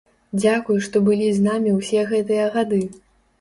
Дзякуй, што былі з намі ўсе гэтыя гады!